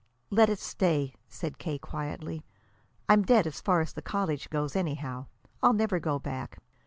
"Let it stay," said K. quietly. "I'm dead as far as the college goes, anyhow. I'll never go back.